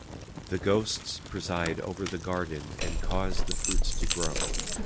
The ghosts preside over the garden and cause the fruits to grow.